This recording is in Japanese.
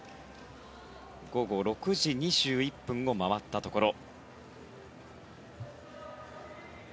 午後６時２１分を回ったところ。